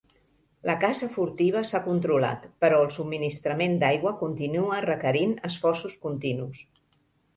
La caça furtiva s'ha controlat, però el subministrament d'aigua continua requerint esforços continus.